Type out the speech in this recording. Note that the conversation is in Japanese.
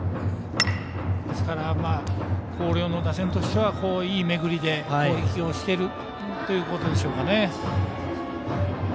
ですから、広陵の打線としてはいい巡りで攻撃をしているということでしょうかね。